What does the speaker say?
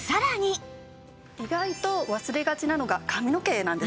意外と忘れがちなのが髪の毛なんですね。